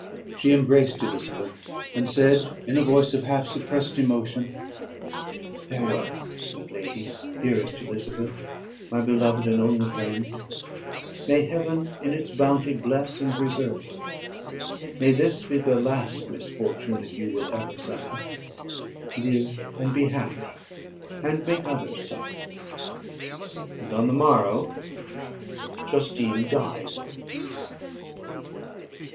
She embraced Elizabeth, and said, in a voice of half suppressed emotion, "Farewell, sweet lady, dearest Elizabeth, my beloved and only friend; may Heaven, in its bounty, bless and preserve you; may this be the last misfortune that you will ever suffer! Live, and be happy, and make others so." And on the morrow Justine died.